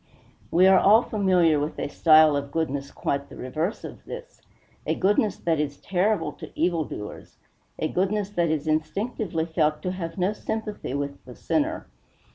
We are all familiar with a style of goodness quite the reverse of this a goodness that is terrible to evil doers a goodness that is instinctively felt to have no sympathy with the sinner.